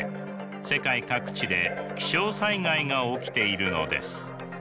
世界各地で気象災害が起きているのです。